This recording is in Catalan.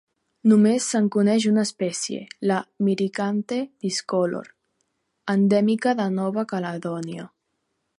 Només se'n coneix una espècie, la "Myricanthe discolor", endèmica de Nova Caledònia.